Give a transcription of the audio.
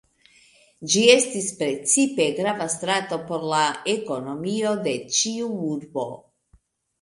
Ĝi estis precipe grava strato por la ekonomio de ĉiu urbo.